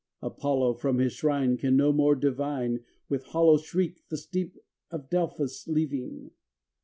Apollo from his shrine Can no more divine. With hollow shriek the steep of Delphos leaving.